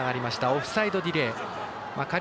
オフサイドディレイ。